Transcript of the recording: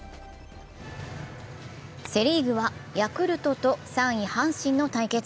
セ・リーグはヤクルトと３位・阪神の対決。